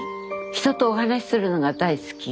人とお話しするのが大好き。